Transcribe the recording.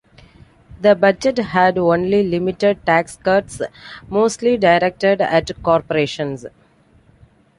The budget had only limited tax cuts, mostly directed at corporations.